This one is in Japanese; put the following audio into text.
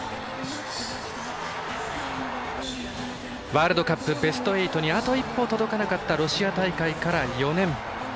ワールドカップベスト８にあと一歩届かなかったロシア大会から４年。